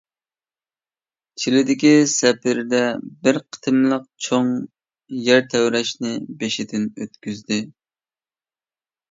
چىلىدىكى سەپىرىدە بىر قېتىملىق چوڭ يەر تەۋرەشنى بېشىدىن ئۆتكۈزدى.